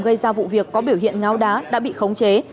gây ra vụ việc có biểu hiện ngáo đá đã bị khống chế